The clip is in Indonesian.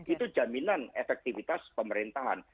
itu jaminan efektivitas pemerintahan